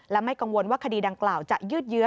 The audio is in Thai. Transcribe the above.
และไม่กังวลว่าคดีดังกล่าวจะยืดเยื้อ